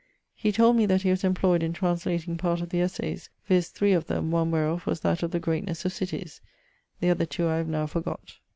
He told me that he was employed in translating part of the Essayes, viz. three of them, one wherof was that of the Greatnesse of Cities, the other two I have now forgott.